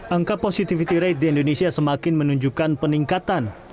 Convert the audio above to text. angka positivity rate di indonesia semakin menunjukkan peningkatan